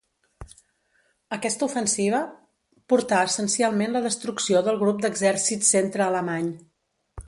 Aquesta ofensiva portà essencialment la destrucció del Grup d'Exèrcit Centre alemany.